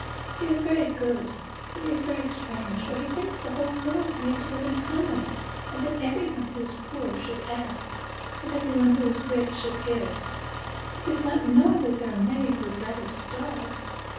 he is very good, but he is very strange, for he thinks the whole world made to live in common, and that every one who is poor should ask, and every one who is rich should give: he does not know that there are many who would rather starve."